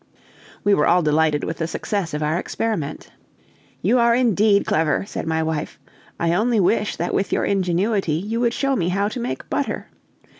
We were all delighted with the success of our experiment. "You are indeed clever," said my wife; "I only wish that with your ingenuity you would show me how to make butter.